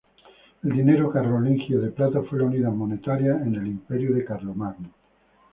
El dinero carolingio de plata fue la unidad monetaria en el Imperio de Carlomagno.